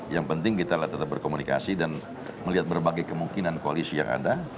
yang penting kita tetap berkomunikasi dan melihat berbagai kemungkinan koalisi yang ada